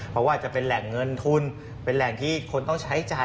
เพราะว่าจะเป็นแหล่งเงินทุนเป็นแหล่งที่คนต้องใช้จ่าย